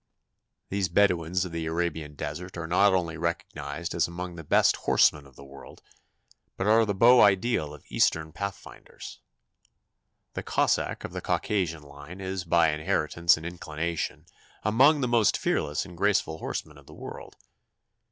These Bedouins of the Arabian Desert are not only recognized as among the best horsemen of the world, but are the beau ideal of Eastern pathfinders. The Cossack of the Caucasian line is by inheritance and inclination among the most fearless and graceful horsemen of the world.